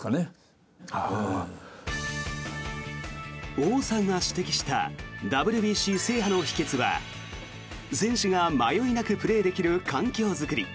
王さんが指摘したＷＢＣ制覇の秘けつは選手が迷いなくプレーできる環境作り。